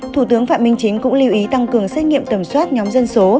thủ tướng phạm minh chính cũng lưu ý tăng cường xét nghiệm tầm soát nhóm dân số